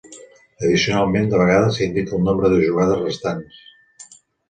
Addicionalment, de vegades, s'indica el nombre de jugades restants.